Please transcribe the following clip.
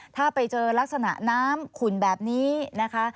ถ้าไปเจอลักษณะน้ำขุ่นแบบนี้นะคะ